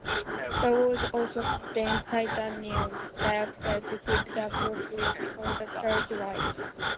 The walls also contain titanium dioxide to keep the appearance of the church white.